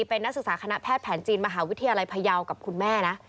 เป็นนักศึกษาคณะแพทย์แผนจีนมหาวิทยาลัยพยาวกับคุณแม่นะ